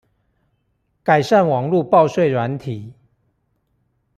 改善網路報稅軟體